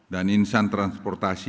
dan insan transportasi